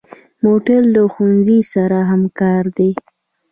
موټر له ښوونځي سره همکار دی.